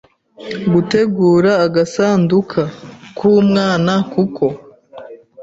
gutegura agasanduka k’umwana kuko